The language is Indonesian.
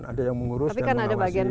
ada yang mengurus dan merawasi